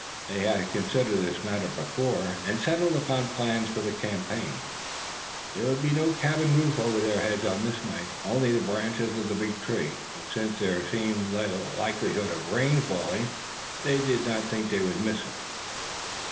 They had considered this matter before, and settled upon plans for the campaign. There would be no cabin roof over their heads on this night, only the branches of the big tree; but since there seemed little likelihood of rain falling, they did not think they would miss this.